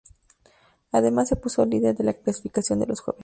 Además se puso líder de la clasificación de los jóvenes.